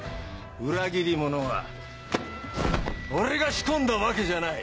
裏切り者は俺が仕込んだわけじゃない。